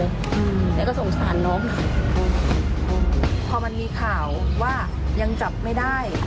อืมแล้วก็สงสารน้องพอมันมีข่าวว่ายังจับไม่ได้